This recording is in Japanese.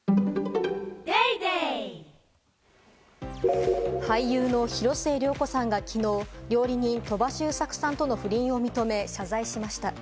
続く俳優の広末涼子さんが、きのう料理人・鳥羽周作さんとの不倫を認め、謝罪しました。